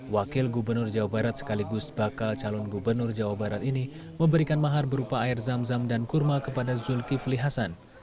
wakil gubernur jawa barat sekaligus bakal calon gubernur jawa barat ini memberikan mahar berupa air zam zam dan kurma kepada zulkifli hasan